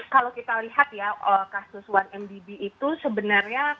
karena kita tahu yang ada beberapa kasus yang paling dekat dengan kita adalah satu mdb di malaysia mbak sita